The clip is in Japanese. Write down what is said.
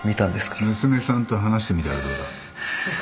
娘さんと話してみたらどうだ？